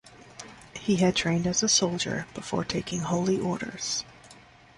He had trained as a soldier before taking holy orders.